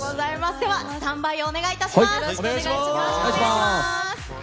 ではスタンバイをお願いいたします。